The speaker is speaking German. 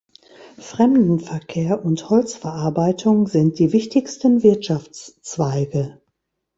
Fremdenverkehr und Holzverarbeitung sind die wichtigsten Wirtschaftszweige.